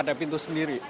ada antrian sendiri gitu